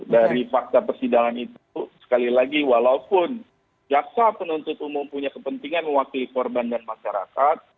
dari fakta persidangan itu sekali lagi walaupun jaksa penuntut umum punya kepentingan mewakili korban dan masyarakat